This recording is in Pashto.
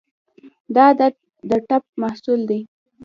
دا عادت د ټپ محصول دی.